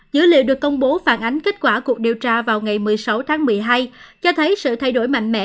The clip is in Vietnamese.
dữ liệu được công bố phản ánh kết quả cuộc điều tra vào ngày một mươi sáu tháng một mươi hai cho thấy sự thay đổi mạnh mẽ